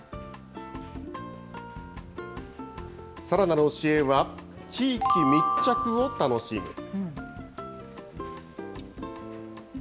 さらなる教えは、地域密着を楽しむ。